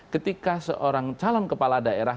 ketika seorang calon kepala daerah